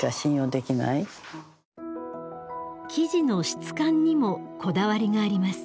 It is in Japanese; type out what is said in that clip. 生地の質感にもこだわりがあります。